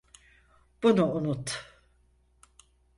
Bunu unut.